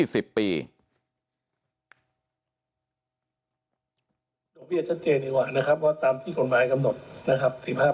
เปรียบชัดเจนดีกว่านะครับว่าตามที่กฎหมายกำหนดนะครับ